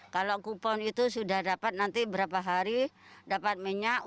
kalau kupon itu sudah dapat nanti berapa hari dapat minyak